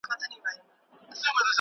هسي نه چي په پردۍ سجده بد نام سو .